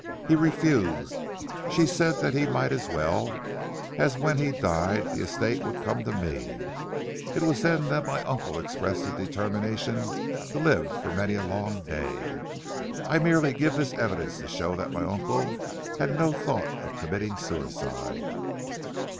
He refused. She said that he might as well, as when he died the estate would come to me. It was then that my uncle expressed his determination to live for many a long day. I merely give this evidence to show that my uncle had no thought of committing suicide."